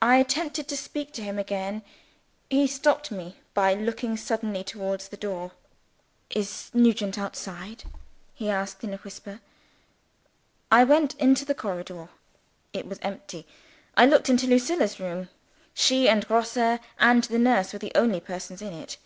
I attempted to speak to him again he stopped me by looking suddenly towards the door. "Is Nugent outside?" he asked in a whisper. I went into the corridor. It was empty. I looked into Lucilla's room. She and Grosse and the nurse were the only persons in it.